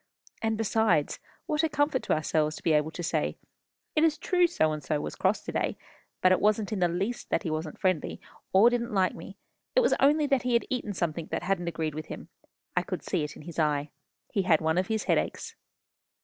And, besides, what a comfort to ourselves to be able to say, 'It is true So and so was cross to day. But it wasn't in the least that he wasn't friendly, or didn't like me; it was only that he had eaten something that hadn't agreed with him. I could see it in his eye. He had one of his headaches.